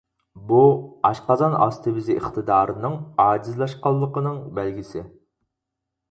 بۇ، ئاشقازان ئاستى بېزى ئىقتىدارىنىڭ ئاجىزلاشقانلىقىنىڭ بەلگىسى.